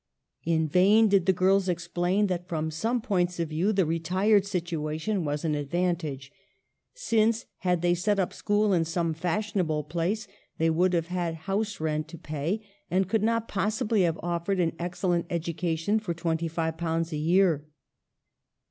In vain did the girls explain that from some points of view the re tired situation was an advantage ; since, had they set up school in some fashionable place, they would have had house rent to pay, and could not possibly have offered an excellent education for £,2$ a year.